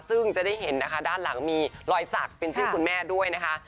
ซึ่งจะได้เห็นนะคะด้านหลังมีรอยสักเป็นชื่อคุณแม่ด้วยนะคะ